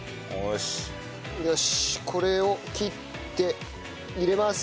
よしこれを切って入れます。